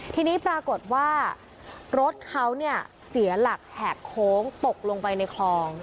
ทีนี้ปรากฏว่ารถเขาเนี่ยเสียหลักแหกโค้งตกลงไปในคลอง